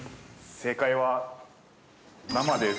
正解は、生です。